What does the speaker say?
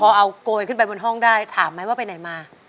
พอเอาโกยขึ้นไปบนห้องได้ถามไหมว่าไปไหนมา